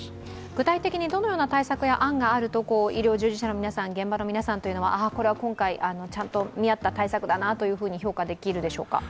具体的にどのような対策や案があると、医療従事者の皆さん、現場の皆さんというのはこれは今回ちゃんと見合った対策だなと評価できるでしょうか？